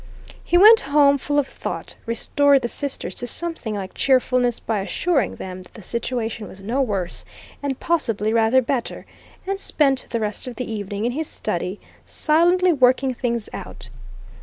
He went home full of thought, restored the sisters to something like cheerfulness by assuring them that the situation was no worse, and possibly rather better, and spent the rest of the evening in his study, silently working things out.